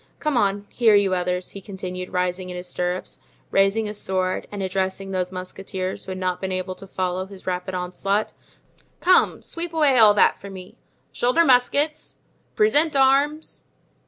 Come on, here, you others," he continued, rising in his stirrups, raising his sword, and addressing those musketeers who had not been able to follow his rapid onslaught. "Come, sweep away all that for me! Shoulder muskets! Present arms!